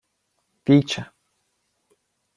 — Віче!